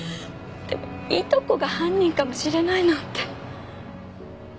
でもいとこが犯人かもしれないなんて。